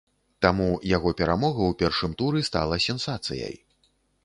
Таму, яго перамога ў першым туры стала сенсацыяй.